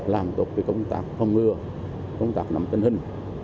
làm tốt cái công tác phòng ngừa công tác nằm tân hình